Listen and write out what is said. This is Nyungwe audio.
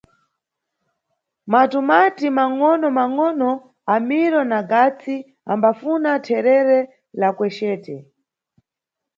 Matumati mangʼono mangʼono, Amiro na Gatsi ambafuna therere la kwecete.